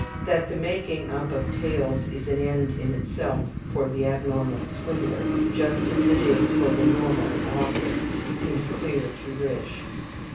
That the making up of tales is an end in itself for the abnormal swindler, just as it is for the normal author, seems clear to Risch.